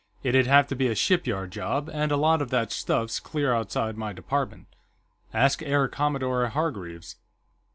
"It'd have to be a shipyard job, and a lot of that stuff's clear outside my department. Ask Air Commodore Hargreaves."